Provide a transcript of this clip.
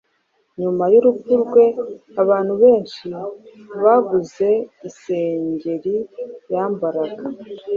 Nyuma y’urupfu rwe abantu benshi baguze isengeri yambaraga